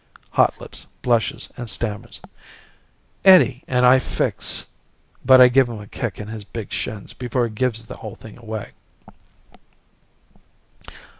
Hotlips blushes and stammers, "Eddie and I fix " But I give him a kick in his big shins before he gives the whole thing away.